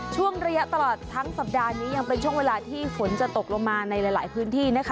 ช่วงระยะตลอดทั้งสัปดาห์นี้ยังเป็นช่วงเวลาที่ฝนจะตกลงมาในหลายพื้นที่นะคะ